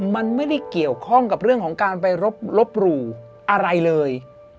มันไม่ได้เกี่ยวข้องกับเรื่องของการไปลบหลู่อะไรเลย